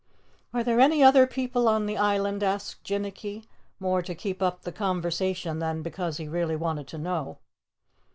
"Are there any other people on the island?" asked Jinnicky, more to keep up the conversation than because he really wanted to know.